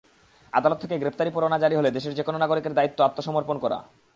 আদালত থেকে গ্রেপ্তারি পরোয়ানা জারি হলে দেশের যেকোনো নাগরিকের দায়িত্ব আত্মসমর্পণ করা।